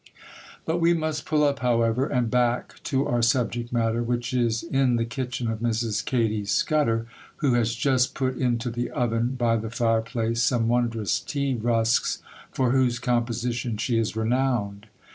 But we must pull up, however, and back to our subject matter, which is in the kitchen of Mrs. Katy Scudder, who has just put into the oven, by the fireplace, some wondrous tea rusks, for whose composition she is renowned.